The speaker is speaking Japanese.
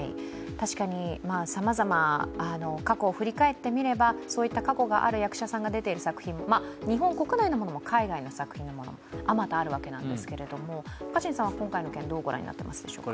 確かに、さまざま、過去を振り返ってみればそういった過去がある役者さんが出ている作品、日本国内のものも海外の作品もあまたあるわけですが、若新さんは今回の件、どう見ていますか？